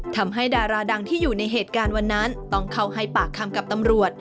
ดาราดังที่อยู่ในเหตุการณ์วันนั้นต้องเข้าให้ปากคำกับตำรวจ